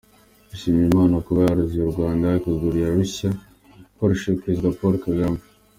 Yashimiye Imana kuba yarazuye u Rwanda ikarugira rushya, ikoresheje Perezida Paul Kagame.